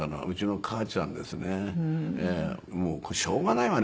「しょうがないわね